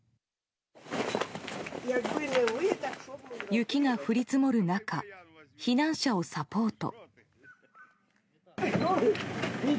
雪が降り積もる中避難者をサポート。